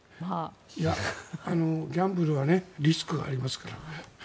ギャンブルはリスクがありますから。